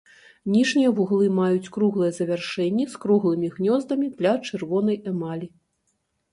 Ніжнія вуглы маюць круглыя завяршэнні з круглымі гнёздамі для чырвонай эмалі.